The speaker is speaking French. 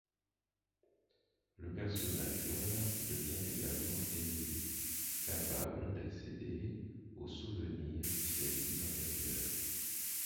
Le personnage-joueur devient également éveillé, capable d'accéder aux souvenirs de ses vies antérieures.